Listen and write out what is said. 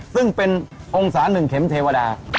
ซึ่งเป็นองศา๑เข็มเทวดา